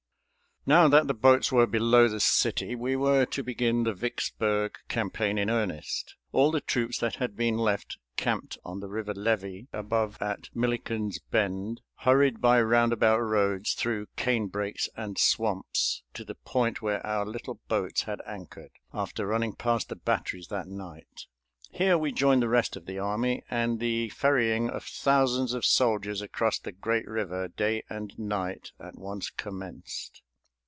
Now that the boats were below the city, we were to begin the Vicksburg campaign in earnest. All the troops that had been left camped on the river levee above at Milliken's Bend hurried by roundabout roads through cane brakes and swamps to the point where our little boats had anchored after running past the batteries that night. Here we joined the rest of the army, and the ferrying of thousands of soldiers across the great river day and night at once commenced.